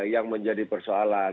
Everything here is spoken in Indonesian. yang menjadi persoalan